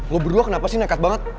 lo berdua kenapa sih nekat banget